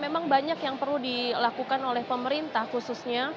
memang banyak yang perlu dilakukan oleh pemerintah khususnya